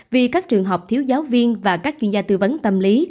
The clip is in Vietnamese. vì các trường học thiếu giáo viên và các chuyên gia tư vấn tâm lý